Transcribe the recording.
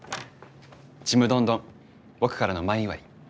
ちむどんどん僕からの前祝い。